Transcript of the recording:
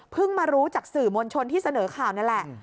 มารู้จากสื่อมวลชนที่เสนอข่าวนี่แหละ